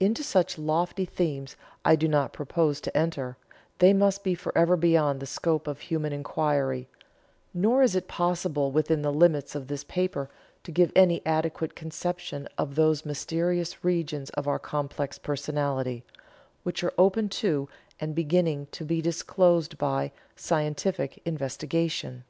Into such lofty themes I do not propose to enter, they must be forever beyond the scope of human inquiry; nor is it possible within the limits of this paper to give any adequate conception of those mysterious regions of our complex personality, which are open to, and beginning to be disclosed by, scientific investigation."